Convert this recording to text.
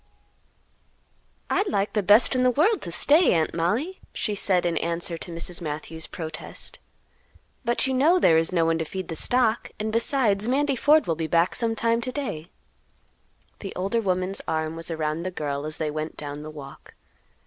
"I'd like the best in the world to stay, Aunt Mollie," she said, in answer to Mrs. Matthews' protest; "but you know there is no one to feed the stock, and besides Mandy Ford will be back sometime to day." The older woman's arm was around the girl as they went down the walk.